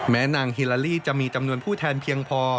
นางฮิลาลีจะมีจำนวนผู้แทนเพียงพอ